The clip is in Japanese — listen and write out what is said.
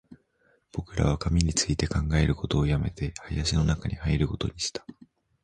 僕らは紙について考えることを止めて、林の中に入ることにした